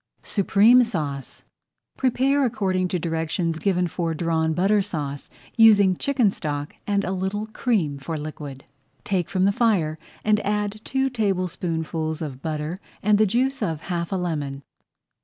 SUPREME SAUCE Prepare according to directions given for Drawn Butter Sauce, using chicken stock and a little cream for liquid. Take from the fire, and add two tablespoonfuls of butter and the juice of half a lemon.